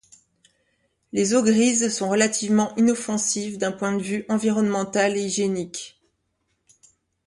Les eaux grises sont relativement inoffensives d’un point de vue environnemental et hygiénique.